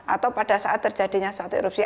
atau pada saat terjadinya suatu erupsi